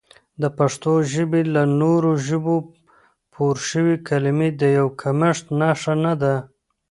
د پښتو ژبې له نورو ژبو پورشوي کلمې د یو کمښت نښه نه ده